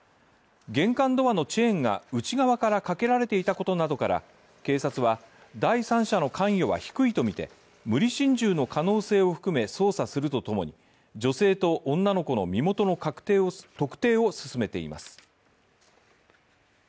玄関ドアのチェーンが内側からかけられていたことなどから警察は、第三者の関与は低いとみて無理心中の可能性を含め捜査するとともに女性と女の子の身元の特定を進めています。